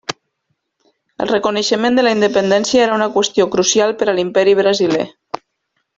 El reconeixement de la independència era una qüestió crucial per a l'Imperi brasiler.